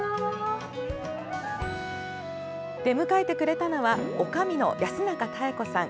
出迎えてくれたのは女将の安中妙子さん